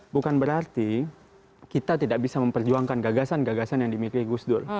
bukan berarti kita tidak bisa memperjuangkan gagasan gagasan yang dimiliki gus dur